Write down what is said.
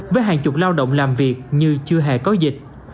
với hàng chục lao động làm việc như chưa hề có dịch